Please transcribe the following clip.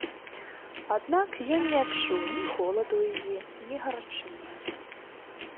Аднак, ён не адчуў ні холаду яе, ні гарачыні.